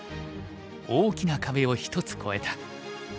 大きな壁を一つ越えた。